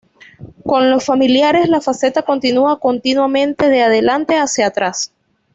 Con los familiares, la faceta continúa continuamente de adelante hacia atrás.